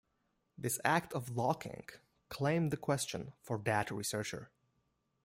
This act of "locking" claimed the question for that researcher.